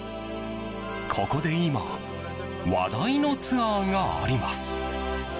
ここで今話題のツアーがあります。